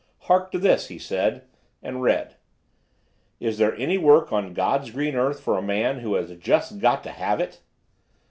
"Hark to this," he said, and read: "Is there any work on God's green earth for a man who has just got to have it?"